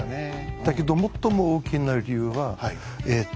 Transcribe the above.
だけど最も大きな理由はえっと